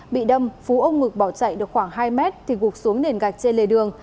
bị đâm phú ông ngực bỏ chạy được khoảng hai mét thì gục xuống nền gạch trên lề đường